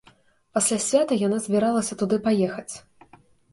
Пасля свята яны збіраліся туды паехаць.